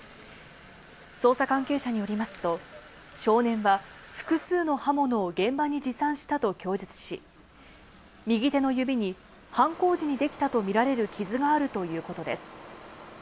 捜査関係者によりますと、少年は複数の刃物を現場に持参したと供述し、右手の指に犯行時にできたとみられる傷があるということです。